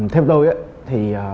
theo tôi thì